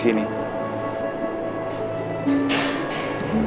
lihat siap di sini